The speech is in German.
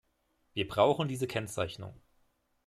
Wir brauchen diese Kennzeichnung.